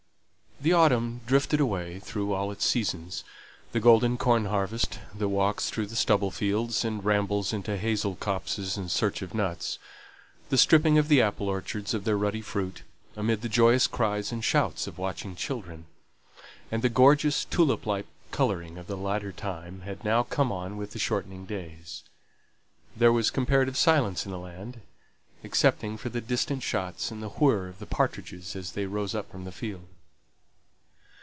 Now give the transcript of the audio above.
The autumn drifted away through all its seasons. The golden corn harvest, the walks through the stubble fields, and rambles into hazel copses in search of nuts; the stripping of the apple orchards of their ruddy fruit, amid the joyous cries and shouts of watching children; and the gorgeous tulip like colouring of the later time had now come on with the shortening days. There was comparative silence in the land, excepting for the distant shots, and the whirr of the partridges as they rose up from the field.